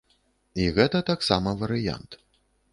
І гэта таксама варыянт.